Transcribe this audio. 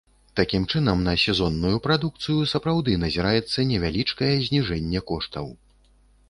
Такім чынам, на сезонную прадукцыю сапраўды назіраецца невялічкае зніжэнне коштаў.